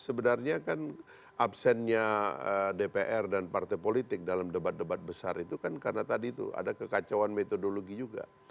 sebenarnya kan absennya dpr dan partai politik dalam debat debat besar itu kan karena tadi itu ada kekacauan metodologi juga